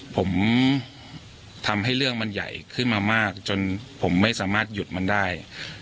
ผมทำให้เรื่องมันใหญ่ขึ้นมามากจนผมไม่สามารถหยุดมันได้